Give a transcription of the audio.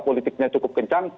politiknya cukup kencang